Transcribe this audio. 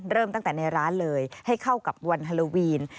เริ่มตั้งแต่ในร้านเลยให้เข้ากับวันฮาโลวีน